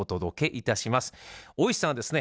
大石さんはですね